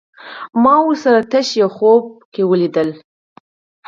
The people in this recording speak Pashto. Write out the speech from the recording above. ما ورسره تش يو خوب کې وليدل